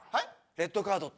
レッドカードって。